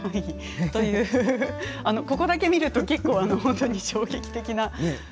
ここだけ見ると結構、本当に衝撃的な。